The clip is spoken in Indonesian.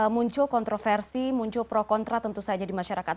muncul kontroversi muncul pro kontra tentu saja di masyarakat